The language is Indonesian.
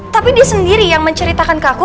tapi dia sendiri yang menceritakan ke aku